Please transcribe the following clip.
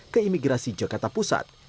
ke imigrasi jakarta pusat